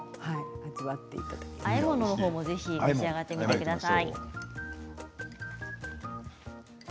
あえ物のほうも召し上がってください。